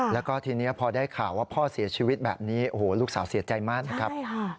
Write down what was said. แล้วก็ทีนี้พอได้ข่าวว่าพ่อเสียชีวิตแบบนี้โอ้โหลูกสาวเสียใจมากนะครับ